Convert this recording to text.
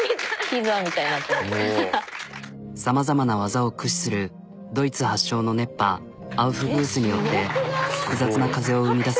さまざまな技を駆使するドイツ発祥の熱波アウフグースによって複雑な風を生みだす。